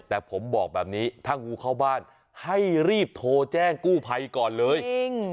แต่ผมบอกแบบนี้ถ้างูเข้าบ้านให้รีบโทรแจ้งกู้ภัยก่อนเลยจริง